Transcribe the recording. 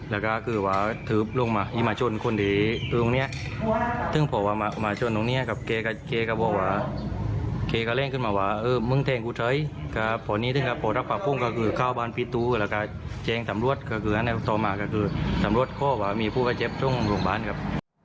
แล้วมีผู้ประเจ็บตรงโรงพยาบาลครับ